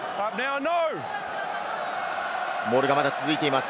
モールがまだ続いています。